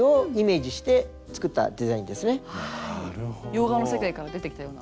洋画の世界から出てきたような。